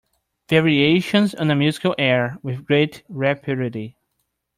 Variations on a musical air With great rapidity.